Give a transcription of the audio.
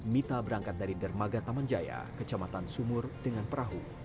mita berangkat dari dermaga taman jaya kecamatan sumur dengan perahu